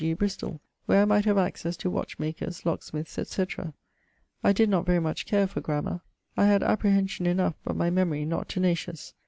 g. Bristoll, where I might have accesse to watchmakers, locksmiths, etc. not very much care for grammar. apprehension enough, but my memorie not tenacious.